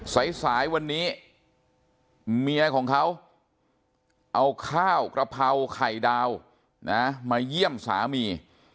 สายสายวันนี้เมียของเขาเอาข้าวกระเพราไข่ดาวนะมาเยี่ยมสามี